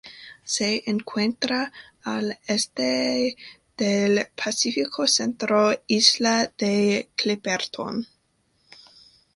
Se encuentra al este del Pacífico central: Isla de Clipperton.